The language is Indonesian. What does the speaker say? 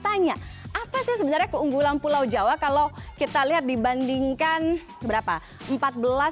tanya apa sih sebenarnya keunggulan pulau jawa kalau kita lihat dibandingkan berapa